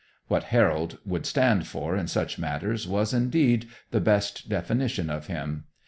What Harold would stand for in such matters was, indeed, the best definition of him.